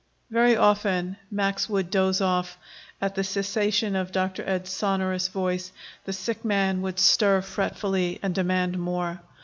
Very often Max world doze off; at the cessation of Dr. Ed's sonorous voice the sick man would stir fretfully and demand more.